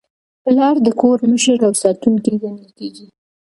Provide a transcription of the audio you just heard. پلار د کور مشر او ساتونکی ګڼل کېږي.